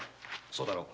そうだよ。